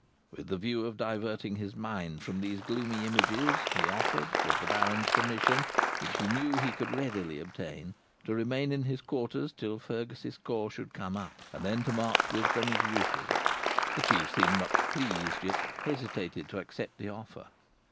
With the view of diverting his mind from these gloomy images, he offered, with the Baron's permission, which he knew he could readily obtain, to remain in his quarters till Fergus's corps should come up, and then to march with them as usual. The Chief seemed much pleased, yet hesitated to accept the offer.